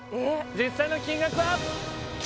実際の金額は？